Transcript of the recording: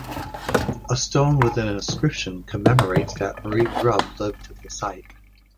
A stone with an inscription commemorates that Marie Grubbe lived at the site.